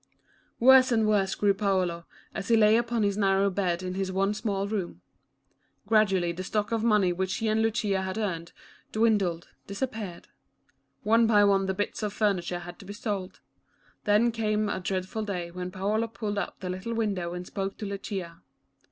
Worse and worse grew Paolo, as he lay upon his narrow bed in his one small room. Gradually the stock of money which he and Lucia had earned, dwindled, disappeared. One by one the bits of furniture had to be sold. Then came a dreadful day when Paolo pulled up the little window and spoke to Lucia.